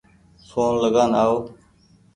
ڦون لگآن آئو